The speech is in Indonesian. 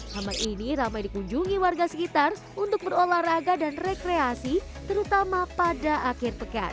taman ini ramai dikunjungi warga sekitar untuk berolahraga dan rekreasi terutama pada akhir pekan